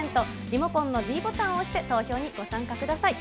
リモコンのｄボタンを押して、投票にご参加ください。